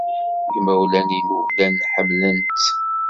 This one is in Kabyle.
Imawlan-inu llan ḥemmlen-tt.